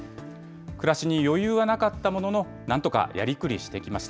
暮らしに余裕はなかったものの、なんとかやりくりしてきました。